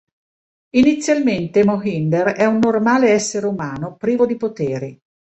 Inizialmente Mohinder è un normale essere umano privo di poteri.